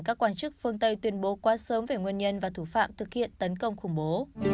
các quan chức phương tây tuyên bố quá sớm về nguyên nhân và thủ phạm thực hiện tấn công khủng bố